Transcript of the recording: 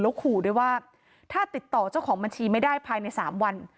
ขู่ด้วยว่าถ้าติดต่อเจ้าของบัญชีไม่ได้ภายใน๓วัน